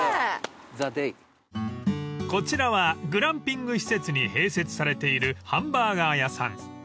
［こちらはグランピング施設に併設されているハンバーガー屋さん］